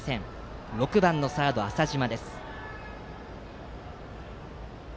打席は６番のサード、浅嶋。